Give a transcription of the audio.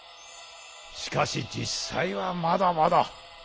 しかし実際はまだまだ。